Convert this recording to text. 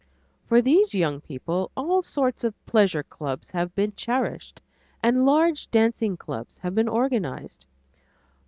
For these young people all sorts of pleasure clubs have been cherished, and large dancing classes have been organized.